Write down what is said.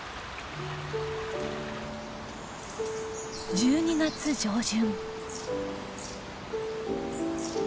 １２月上旬。